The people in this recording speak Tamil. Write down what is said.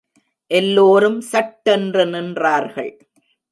எல்லோரும் சட்டென்று நின்றார்கள்.